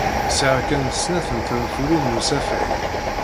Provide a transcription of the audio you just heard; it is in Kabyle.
Sɛiɣ kan snat n tenfulin n usafag.